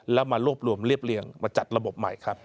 แล้วมารวบรวมเรียบเรียงมาจัดระบบใหม่ครับ